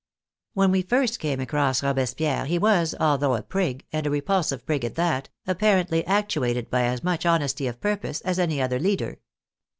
When we first came across Robespierre, he was, al though a prig, and a repulsive prig at that, apparently actuated by as much honesty of purpose as any other leader.